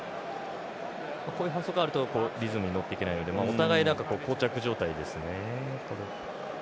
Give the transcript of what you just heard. こういう反則があるとリズムに乗っていけないのでお互い、こう着状態ですね。